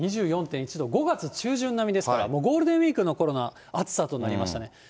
２４．１度、５月中旬並みですから、もうゴールデンウィークのころの暑さとなりましたね。